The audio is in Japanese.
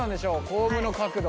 コームの角度。